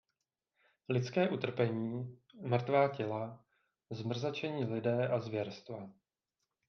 Lidské utrpení, mrtvá těla, zmrzačení lidé a zvěrstva.